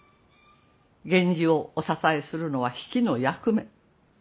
源氏をお支えするのは比企の役目。